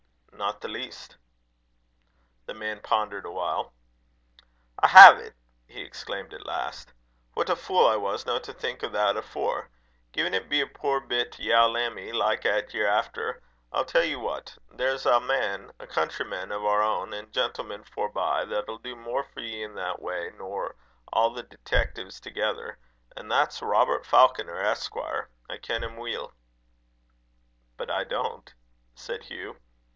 "Not the least." The man pondered a while. "I hae't," he exclaimed at last. "What a fule I was no to think o' that afore! Gin't be a puir bit yow lammie like, 'at ye're efter, I'll tell ye what: there's ae man, a countryman o' our ain, an' a gentleman forbye, that'll do mair for ye in that way, nor a' the detaictives thegither; an' that's Robert Falconer, Esquire. I ken him weel." "But I don't," said Hugh.